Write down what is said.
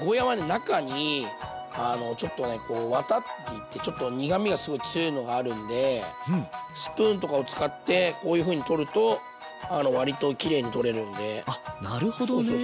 中にちょっとねワタっていってちょっと苦みがすごい強いのがあるんでスプーンとかを使ってこういうふうに取ると割ときれいに取れるんであなるほどね。